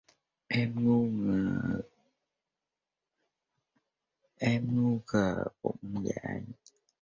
Em ngu khờ vụng dại